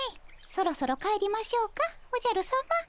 そろそろ帰りましょうかおじゃるさま。